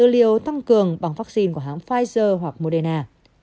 liều tăng cường bằng vaccine của hãng pfizer hoặc moderna